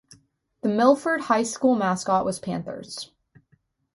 The Milford High School mascot was Panthers.